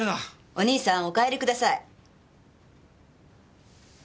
お兄さんお帰りください。